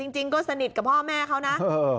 จริงก็สนิทกับพ่อแม่เขานะ